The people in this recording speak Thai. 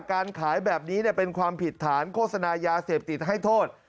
การขายแบบนี้เป็นความผิดฐานโฆษณายาเสพติดให้โทษ